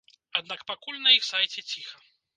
Аднак пакуль на іх сайце ціха.